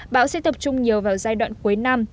bão sẽ tập trung nhiều vào giai đoạn cuối năm